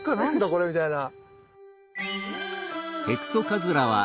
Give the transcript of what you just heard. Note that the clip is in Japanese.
これみたいな。